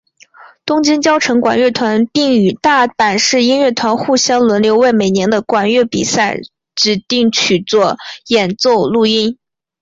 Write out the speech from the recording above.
东京佼成管乐团并与大阪市音乐团互相轮流为每年的管乐比赛指定曲做演奏录音。